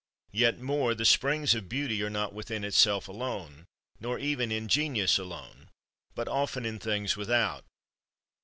Yet more, the springs of beauty are not within itself alone, nor even in genius alone, but often in things without.